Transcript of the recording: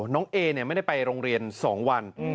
น้องเอไม่ได้ไปโรงเรียน๒วัน